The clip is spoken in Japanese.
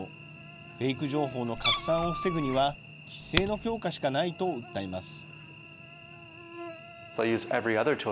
フェイク情報の拡散を防ぐには、規制の強化しかないと訴えます。